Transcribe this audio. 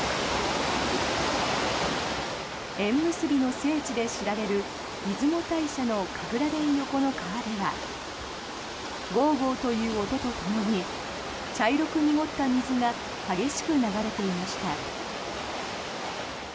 縁結びの聖地で知られる出雲大社の神楽殿横の川ではゴーゴーという音とともに茶色く濁った水が激しく流れていました。